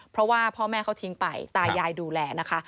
เพราะว่าพ่อแม่เขาทิ้งไปตายายดูแลนะคะ